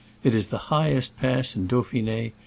It is the highest pass in Dauphin^.